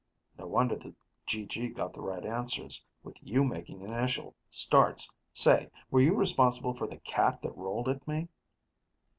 "No wonder the GG got the right answers, with you making initial starts. Say, were you responsible for the cat that rolled at me?"